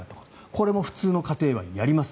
これも普通の家庭はやります、